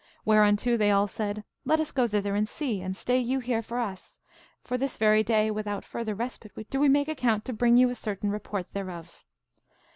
Whereunto they all said, Let us go thither and see, and stay you here for us; for this very day, without further respite, do we make account to bring you a certain report thereof.